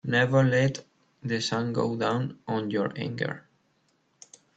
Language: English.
Never let the sun go down on your anger.